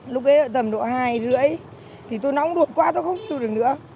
lúc ấy là tầm độ hai năm thì tôi nóng đột quá tôi không sửa được nữa